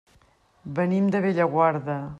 Venim de Bellaguarda.